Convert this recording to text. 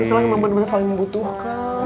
sebenarnya kamu selalu membutuhkan